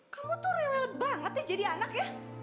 kamu tuh rewel banget ya jadi anak ya